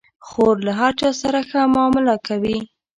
خور له هر چا سره ښه معامله کوي.